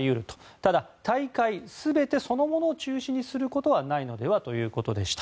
ただ、大会全てそのものを中止することはないのではということでした。